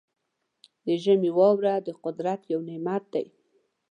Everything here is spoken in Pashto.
د ژمي واوره د قدرت یو نعمت دی.